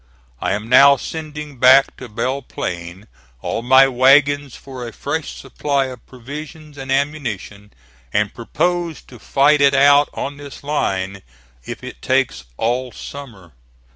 I am now sending back to Belle Plain all my wagons for a fresh supply of provisions and ammunition, and purpose to fight it out on this line if it takes all summer.